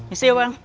istirahat ya bang